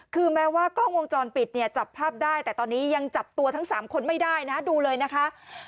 คือแม้ว่ากล้องวงจรปิดเนี่ยจับภาพได้แต่ตอนนี้ยังจับตัวทั้ง๓คนไม่ได้นะดูเลยนะคะ